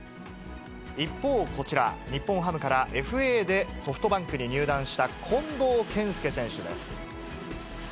一方、こちら、日本ハムからＦＡでソフトバンクに入団した近藤健介選手です。